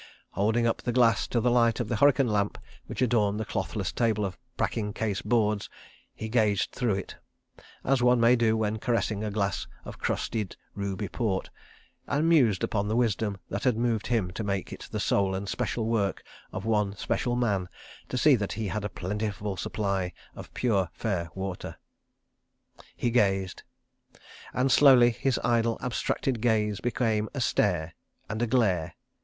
Holding up the glass to the light of the hurricane lamp which adorned the clothless table of packing case boards, he gazed through it—as one may do when caressing a glass of crusted ruby port—and mused upon the wisdom that had moved him to make it the sole and special work of one special man to see that he had a plentiful supply of pure fair water. He gazed. ... And slowly his idle abstracted gaze became a stare and a glare.